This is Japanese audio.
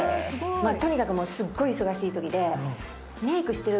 とにかくすっごい忙しい時で。